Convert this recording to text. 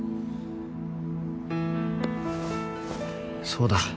そうだ。